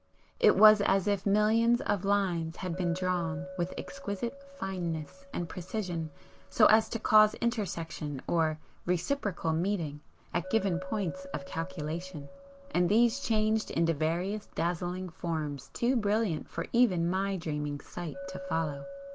It was as if millions of lines had been drawn with exquisite fineness and precision so as to cause intersection or 'reciprocal meeting' at given points of calculation, and these changed into various dazzling forms too brilliant for even my dreaming sight to follow.